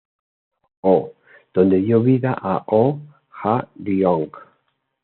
Oh" donde dio vida a Oh Ja-ryong.